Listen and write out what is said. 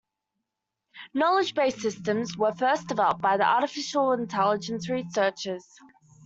Knowledge-based systems were first developed by artificial intelligence researchers.